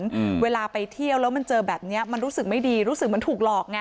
อืมเวลาไปเที่ยวแล้วมันเจอแบบเนี้ยมันรู้สึกไม่ดีรู้สึกเหมือนถูกหลอกไง